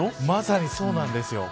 まさにそうなんです。